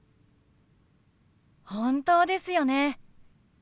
本当ですよね。